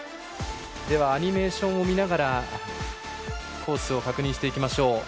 アニメーションを見ながらコースを確認していきましょう。